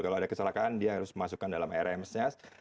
kalau ada kecelakaan dia harus masukkan dalam irms nya